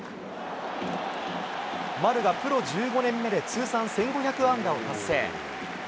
丸がプロ１５年目で通算１５００安打を達成。